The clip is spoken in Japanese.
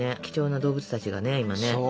貴重な動物たちがね今ね。